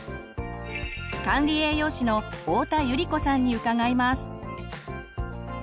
管理栄養士の太田百合子さんに伺います。